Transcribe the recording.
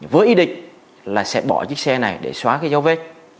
với ý định là sẽ bỏ chiếc xe này để xóa cái dấu vết